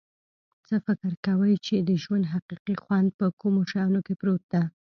څه فکر کویچې د ژوند حقیقي خوند په کومو شیانو کې پروت ده